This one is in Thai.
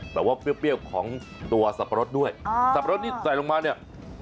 เปรี้ยวของตัวสับปะรดด้วยสับปะรดที่ใส่ลงมาเนี่ย